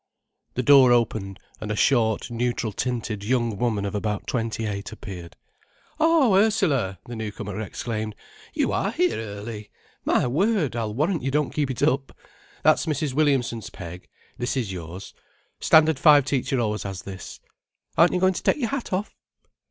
The door opened, and a short, neutral tinted young woman of about twenty eight appeared. "Oh, Ursula!" the newcomer exclaimed. "You are here early! My word, I'll warrant you don't keep it up. That's Mr. Williamson's peg. This is yours. Standard Five teacher always has this. Aren't you going to take your hat off?"